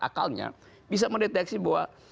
akalnya bisa mendeteksi bahwa